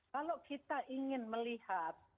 kalau kita ingin melihat